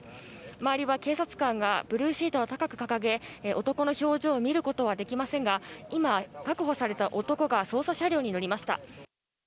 周りは警察官がブルーシートを高く掲げ男の表情を見ることはできませんが今、確保された男が捜査車両に乗りました。